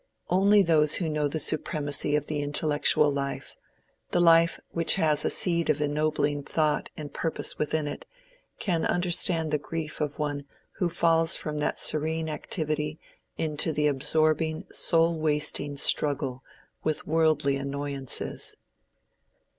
Only those who know the supremacy of the intellectual life—the life which has a seed of ennobling thought and purpose within it—can understand the grief of one who falls from that serene activity into the absorbing soul wasting struggle with worldly annoyances.